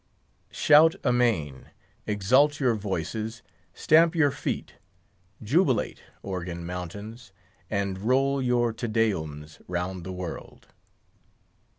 Shout amain, exalt your voices, stamp your feet, jubilate, Organ Mountains! and roll your Te Deums round the world!